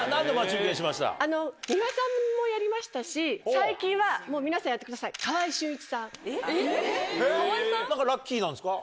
美輪さんもやりましたし最近は皆さんやってください川合俊一さん。何かラッキーなんですか？